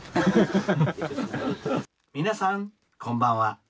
「皆さんこんばんは。